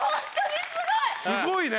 すごいね！